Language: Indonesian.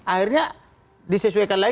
akhirnya disesuaikan lagi